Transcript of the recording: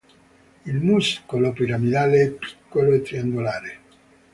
Il muscolo piramidale è piccolo e triangolare.